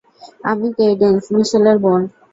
আমি কেইডেন্স, মিশেলের বোন।